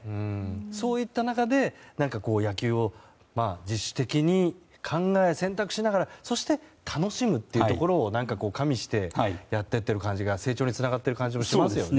そういった中で野球を自主的に考え選択しながらそして、楽しむというところを加味してやってきている感じが成長につながっている感じもしますよね。